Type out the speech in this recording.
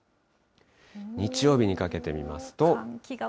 日曜日にかけて見ますと。